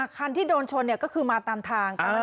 คันที่โดนชนก็คือมาตามทาง